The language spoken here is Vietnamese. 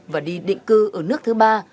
và đi định cư ở nước thứ ba